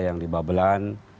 yang di babuland